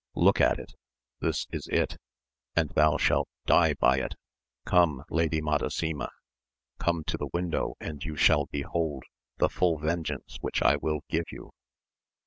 Look at it ! this is it, and thou shalt die by it. Gome, Lady Madasima ! come to the window, and you shall behold the full vengeance which I will give you